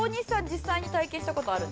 実際に体験した事ある？